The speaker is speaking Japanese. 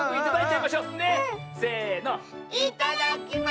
いただきます！